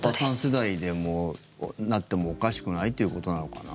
世代でもなってもおかしくないということなのかな。